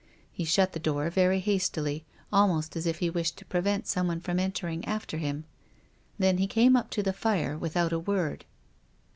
He shut the door very hastily, almost as if he wished to prevent someone from entering after him. Then he came up to the fire without a word.